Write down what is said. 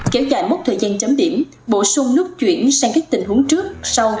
kéo dài mốc thời gian chấm điểm bổ sung nút chuyển sang các tình huống trước sau